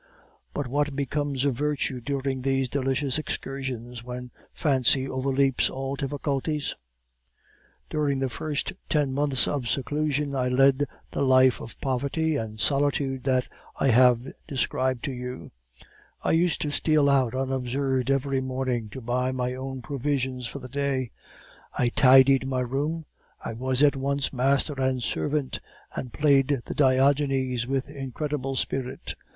But what becomes of virtue during these delicious excursions, when fancy overleaps all difficulties? "During the first ten months of seclusion I led the life of poverty and solitude that I have described to you; I used to steal out unobserved every morning to buy my own provisions for the day; I tidied my room; I was at once master and servant, and played the Diogenes with incredible spirit.